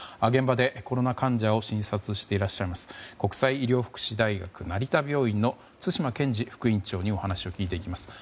現場でコロナ患者を診察していらっしゃいます国際医療福祉大学成田病院の津島健司副院長にお話を聞いていきます。